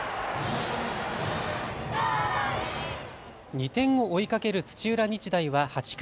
２点を追いかける土浦日大は８回。